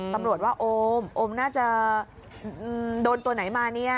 ตำรวจว่าโอมโอมน่าจะโดนตัวไหนมาเนี่ย